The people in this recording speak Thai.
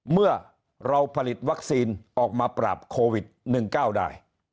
เมื่อเราผลิตวัคซีนออกมาปราบโควิด๑๙ได้